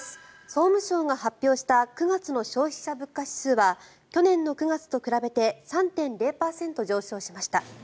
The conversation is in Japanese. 総務省が発表した９月の消費者物価指数は去年の９月と比べて３．０％上昇しました。